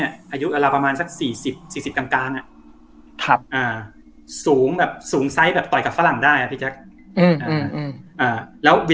แอบแอบแอบแอบแอบแอบแอบแอบแอบ